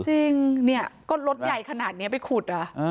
จริงเนี่ยก็รถใหญ่ขนาดนี้ไปขุดอ่ะ